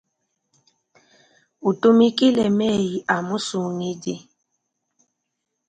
Utumikile meyi a musungidi.